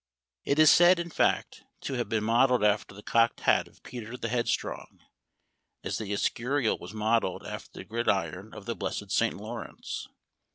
It is said, in fact, to have been modeled after the cocked hat of Peter the Headstrong, as the Escurial was modeled after the gridiron of the blessed St. Lawrence.